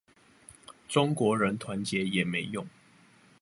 中國人團結也沒用